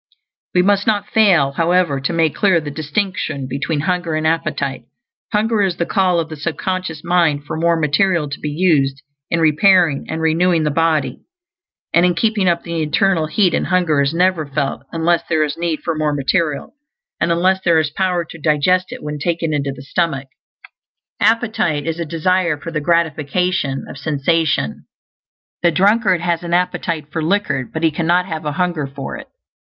We must not fail, however, to make clear the distinction between hunger and appetite. Hunger is the call of the sub conscious mind for more material to be used in repairing and renewing the body, and in keeping up the internal heat; and hunger is never felt unless there is need for more material, and unless there is power to digest it when taken into the stomach. Appetite is a desire for the gratification of sensation. The drunkard has an appetite for liquor, but he cannot have a hunger for it.